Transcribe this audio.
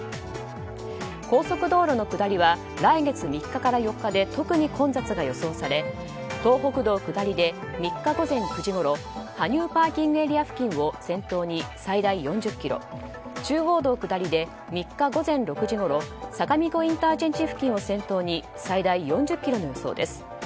高速道路の下りは来月の３日から４日で特に混雑が予想され東北道下りで３日午前９時ごろ羽生ＰＡ付近を先頭に最大４０ｋｍ中央道下りで３日午前６時ごろ相模湖ＩＣ付近を先頭に最大４０ｋｍの予想です。